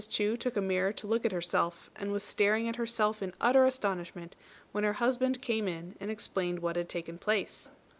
Chu took a mirror to look at herself, and was staring at herself in utter astonishment, when her husband came in and explained what had taken place.